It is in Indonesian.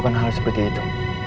gak pernah hal seperti itu